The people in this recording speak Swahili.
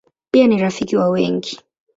Pia ni rafiki wa wengi.